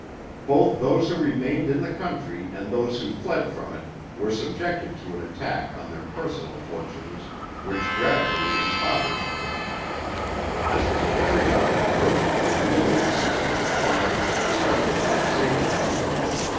Both those who remained in the country and those who fled from it were subjected to an attack on their personal fortunes which gradually impoverished them. This was carried on at first by a nibbling system of fines and special taxation.